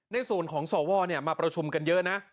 ในส่วนของสวมาประชุมกันเยอะนะ